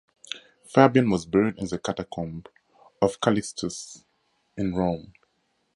Fabian was buried in the catacomb of Callixtus in Rome.